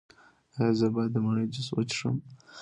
ایا زه باید د مڼې جوس وڅښم؟